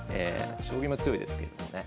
将棋も強いですけれどもね。